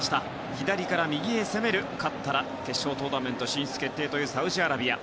左から右に攻める勝ったら決勝トーナメント進出が決定のサウジアラビア。